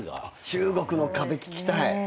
中国の壁聞きたい。